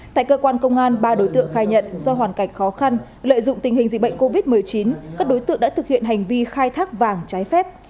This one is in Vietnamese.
tại cơ quan công an ba đối tượng khai nhận do hoàn cảnh khó khăn lợi dụng tình hình dịch bệnh covid một mươi chín các đối tượng đã thực hiện hành vi khai thác vàng trái phép